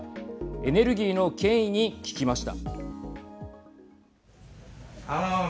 エネルギーの権威に聞きました。